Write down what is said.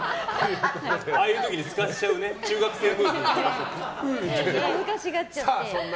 ああいうときにすかしちゃうね中学生みたいな。